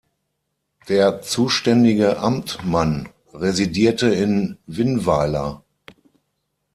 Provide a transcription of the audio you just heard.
Der zuständige Amtmann residierte in Winnweiler.